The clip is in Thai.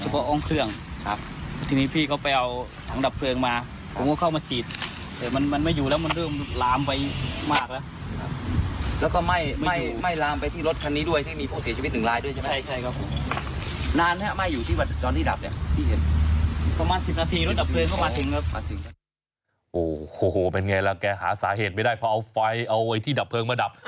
แกหาสาเหตุไม่ได้เพราะเอาไฟเอาไอ้ที่ดับเพลิงมาดับ